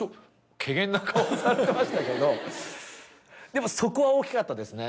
でもそこは大きかったですね。